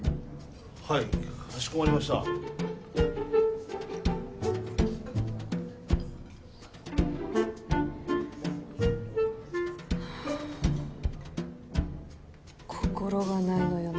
はいかしこまりました心がないのよね